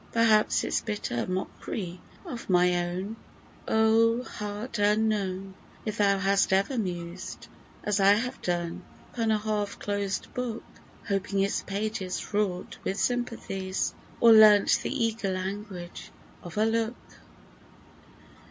Perhaps its bitter mock'ry of my own ! Oh ! Heart unknown ! If thou hast ever mused. As I have done, upon a half closed book, Hoping its pages fraught with sympathies, Or learnt the eager language of a look — To